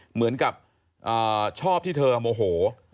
เหมือนกับชอบที่เธอโมโห